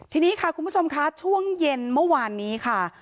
ทีนี้ค่ะคุณผู้ชมค่ะช่วงเย็นเมื่อวานนี้ค่ะ